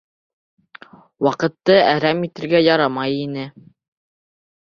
Ваҡытты әрәм итергә ярамай ине.